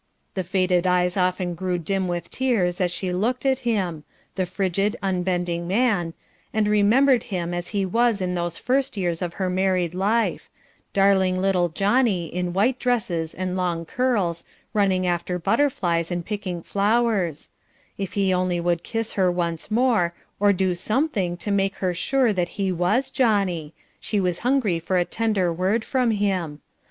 The faded eyes often grew dim with tears as she looked at him the frigid, unbending man and remembered him as he was in those first years of her married life, darling little Johnnie in white dresses and long curls, running after butterflies and picking flowers; if he only would kiss her once more, or do something to make her sure that he was Johnnie, she was hungry for a tender word from him.